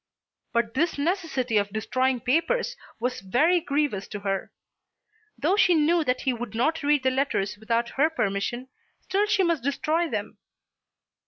But this necessity of destroying papers was very grievous to her. Though she knew that he would not read the letters without her permission, still she must destroy them.